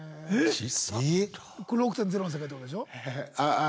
・ちっさ・これ６．０の世界ってことでしょ？